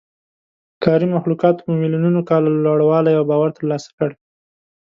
ښکاري مخلوقاتو په میلیونونو کاله لوړوالی او باور ترلاسه کړ.